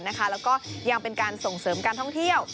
แล้วก็ยังเป็นการส่งเสริมการท่องเที่ยว